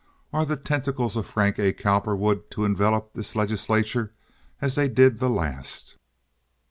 Are the tentacles of Frank A. Cowperwood to envelop this legislature as they did the last?"